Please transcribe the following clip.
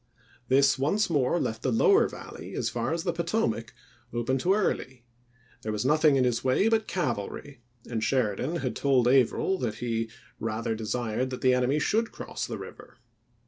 This once more left the lower Valley, as far as the Potomac, open to Early; there was nothing in his way but cavalry, and Sheridan had told Averill that he " rather desired that the enemy should cross the river."